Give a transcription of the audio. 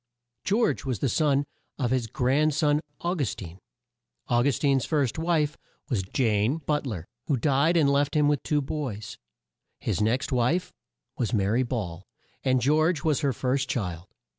George was the son of his grand son Au gus tine. Au gus tine's first wife was Jane But ler who died and left him with two boys. His next wife was Ma ry Ball, and George was her first child.